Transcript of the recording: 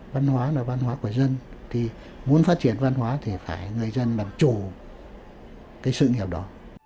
văn hóa là văn hóa của dân thì muốn phát triển văn hóa thì phải người dân làm chủ cái sự nghiệp đó